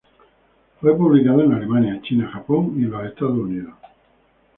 Fue publicado en Alemania, China, Japón y en los Estados Unidos.